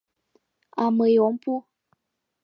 — А мый ом пу!